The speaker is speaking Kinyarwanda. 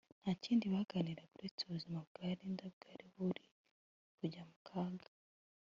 ntakindi baganiraga uretse ubuzima bwa Linda bwari buri kujya mu kaga